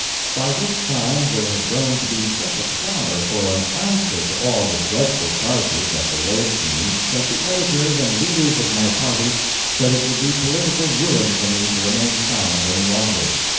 ] By this time there had grown to be such a clamor for an "answer" to all the dreadful charges that were laid to me that the editors and leaders of my party said it would be political ruin for me to remain silent any longer.